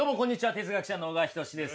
哲学者の小川仁志です。